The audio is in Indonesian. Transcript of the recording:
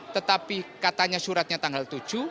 tetapi katanya suratnya tanggal tujuh